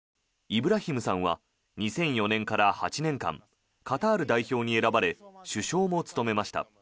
イブラヒムさんは２００４年から８年間カタール代表に選ばれ主将も務めました。